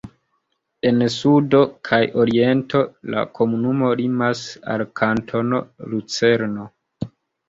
En sudo kaj oriento la komunumo limas al Kantono Lucerno.